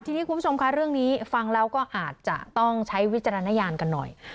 ทีนี้คุณผู้ชมค่ะเรื่องนี้ฟังแล้วก็อาจจะต้องใช้วิจารณญาณกันหน่อย